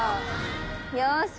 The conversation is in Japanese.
よし。